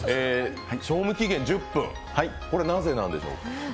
賞味期限１０分、なぜなんでしょう？